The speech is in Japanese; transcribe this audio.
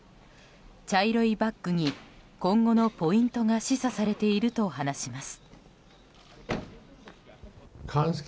茶色いバッグに今後のポイントが示唆されていると話します。